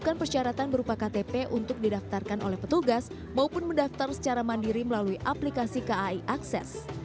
dan persyaratan berupa ktp untuk didaftarkan oleh petugas maupun mendaftar secara mandiri melalui aplikasi kai akses